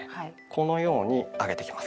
このように上げていきます。